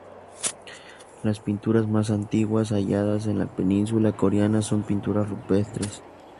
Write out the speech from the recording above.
Las pinturas más antiguas halladas en la península coreana son pinturas rupestres.